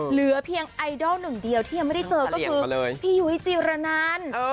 เหลือเพียงไอดอลหนึ่งเดียวที่ยังไม่ได้เจอก็คือพี่ยุ้ยจีรนัน